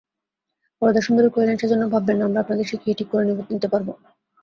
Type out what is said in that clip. বরদাসুন্দরী কহিলেন, সেজন্যে ভাববেন না– আমরা আপনাকে শিখিয়ে ঠিক করে নিতে পারব।